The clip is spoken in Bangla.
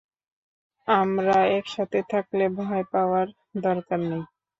আমরা একসাথে থাকলে ভয় পাওয়ার দরকার নেই।